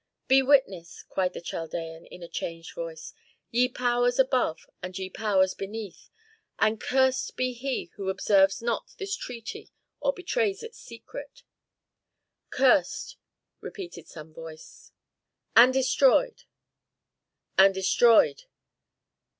"Be witnesses," cried the Chaldean, in a changed voice, "ye powers above and ye powers beneath! And cursed be he who observes not this treaty or betrays its secret." "Cursed!" repeated some voice. "And destroyed!" "And destroyed."